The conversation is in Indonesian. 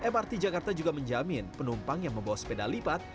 mrt jakarta juga menjamin penumpang yang membawa sepeda lipat